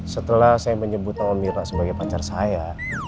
setelah saya menyebut nama mirna sebagai pacar saya